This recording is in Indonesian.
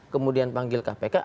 kemudian panggil kpk